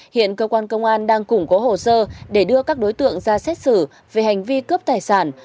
hiện cơ quan công an đang củng cố hồ sơ để đưa các đối tượng ra xét xử về hành vi cướp tài sản